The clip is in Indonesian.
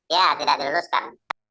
ya tidak diluluskan